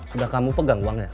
sudah kamu pegang uangnya